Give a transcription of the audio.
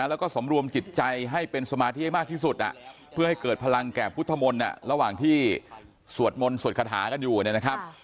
แล้วก็สำรวมจิตใจให้เป็นสมาธิให้มากที่สุดเพื่อให้เกิดพลังแก่พุทธมนต์ระหว่างที่สวดมนต์สวดคาถากันอยู่เนี่ยนะครับ